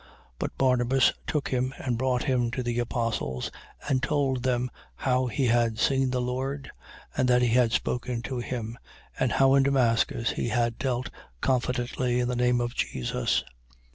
9:27. But Barnabas took him and brought him to the apostles and told them how he had seen the Lord, and that he had spoken to him: and how in Damascus he had dealt confidently in the name of Jesus.